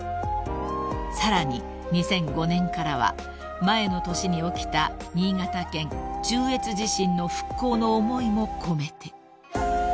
［さらに２００５年からは前の年に起きた新潟県中越地震の復興の思いも込めて］